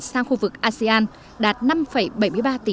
sang khu vực asean đạt năm bảy mươi ba tỷ usd